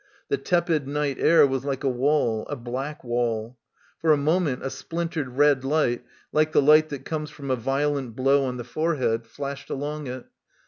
The tepid night air was like a wall, a black wall. For a moment a splintered red light, like the light that comes from a violent blow on the forehead, flashed along it.